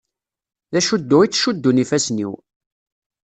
D acuddu i ttcuddun yifassen-iw.